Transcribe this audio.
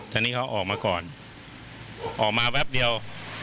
ตอนนี้เขาออกมาก่อนออกมาแวบเดียว